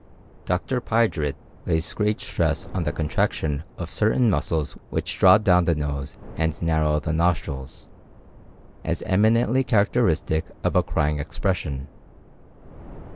Dr. Piderit lays great stress on the contraction of certain muscles which draw down the nose and narrow the nostrils, as eminently characteristic of a crying expression.